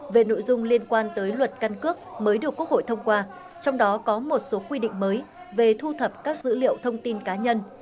về nội dung liên quan tới luật căn cước mới được quốc hội thông qua trong đó có một số quy định mới về thu thập các dữ liệu thông tin cá nhân